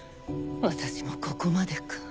私もここまでか。